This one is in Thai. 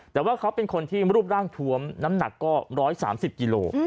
แต่ว่าเขาเป็นคนทรวมรูปร่างหนักก็๑๓๐กิโล